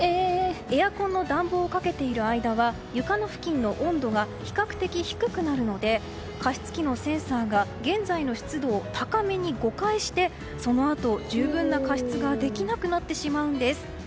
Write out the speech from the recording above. エアコンの暖房をかけている間は床の温度が比較的低くなるので加湿器のセンサーが現在の湿度を高めに誤解してそのあと、十分な過失ができなくなってしまうんです。